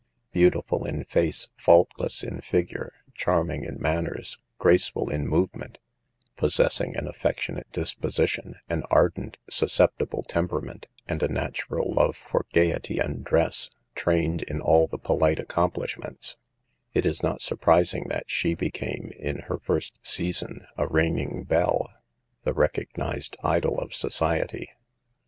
Beautiful in face, faultless in figure, charming in manners, graceful in movement, possessing an affectionate disposition, an ardent, suscep tible temperament and a natural love for gayety A PAGE FROM BBAL LIFE. 15 and dress, trained in all the polite accomplish ments, it is not surprising that she became, in her first "season" a reigning "belle," the recognized idol of society.